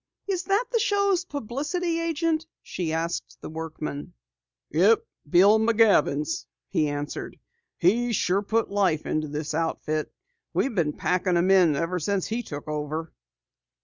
"Is that the show's publicity agent?" she asked the workman. "Yep, Bill McJavins," he answered. "He's sure put new life into this outfit. We've been packin' them in ever since he took over."